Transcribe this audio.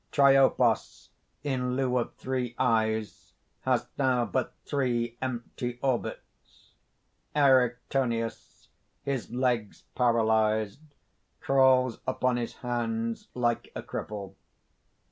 Triopas, in lieu of three eyes, has now but three empty orbits. Erichthonius, his legs paralysed, crawls upon his hands like a cripple.